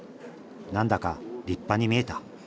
何だか立派に見えた。